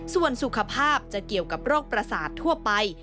ส่วนสุขภาพจะเกี่ยวกับโรคประสาททั่วไป